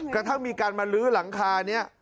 กระทั่งมีการมาลื้อหลังคานี้